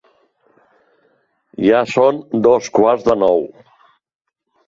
Ja són dos quarts de nou.